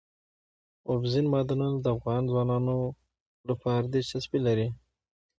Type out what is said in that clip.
اوبزین معدنونه د افغان ځوانانو لپاره دلچسپي لري.